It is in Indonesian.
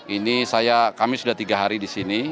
ini kami sudah tiga hari di sini